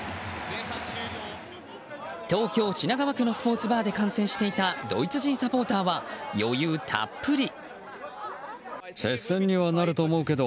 東京・品川区のスポーツバーで観戦していたドイツ人サポーターは余裕たっぷり。